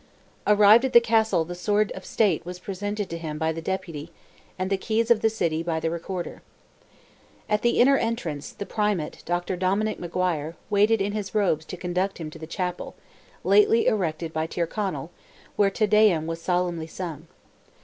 Arrived at the castle the sword of state was presented to him by the deputy, and the keys of the city by the recorder. At the inner entrance, the primate, Dr. Dominick Macguire, waited in his robes to conduct him to the chapel, lately erected by Tyrconnell, where Te Deum was solemnly sung.